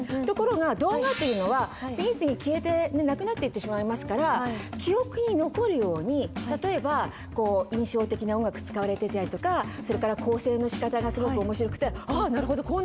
ところが動画っていうのは次々に消えてなくなっていってしまいますから記憶に残るように例えばこう印象的な音楽使われてたりとかそれから構成のしかたがすごく面白くて「あなるほど！